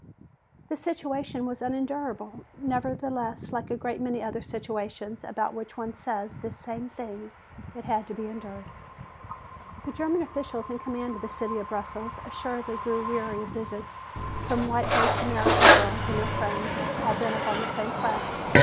The situation was unendurable; nevertheless, like a great many other situations about which one says this same thing, it had to be endured. The German officials in command of the city of Brussels assuredly grew weary of visits from white faced American girls and their friends, all bent upon the same quest.